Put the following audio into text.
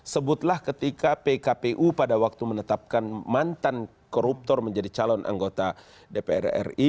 sebutlah ketika pkpu pada waktu menetapkan mantan koruptor menjadi calon anggota dpr ri